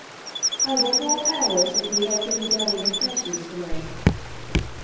I will call Alice, if thee has any dying confessions to make."